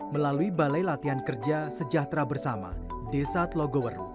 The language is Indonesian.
melalui balai latihan kerja sejahtera bersama desa tlogoweru